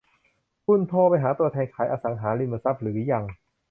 คุณโทรไปหาตัวแทนขายอสังหาริมทรัพย์หรือยัง